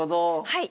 はい。